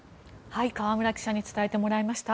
河村記者に伝えてもらいました。